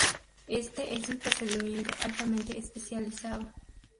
Este es un procedimiento altamente especializado.